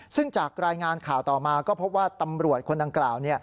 ซึ่งจากรายงานข่าวต่อมาก็พบว่าตำรวจคนดังกล่าว